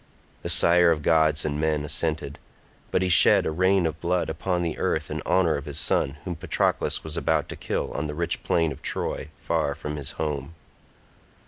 The sire of gods and men assented, but he shed a rain of blood upon the earth in honour of his son whom Patroclus was about to kill on the rich plain of Troy far from his home.